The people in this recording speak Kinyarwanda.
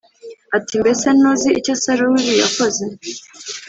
ati “mbese ntuzi icyo sawuli yakoze